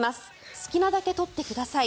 好きなだけ取ってください